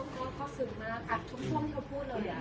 ก็ซึมมากกับทุกช่วงที่เค้าพูดเลยอ่ะ